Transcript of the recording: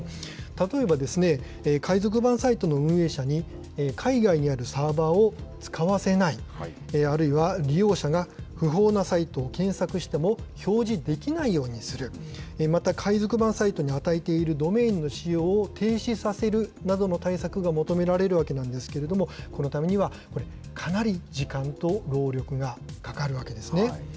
例えば、海賊版サイトの運営者に、海外にあるサーバーを使わせない、あるいは、利用者が不法なサイトを検索しても表示できないようにする、また海賊版サイトに与えているドメインの使用を停止させるなどの対策が求められるわけなんですけれども、このためには、やっぱり、かなり時間と労力がかかるわけですね。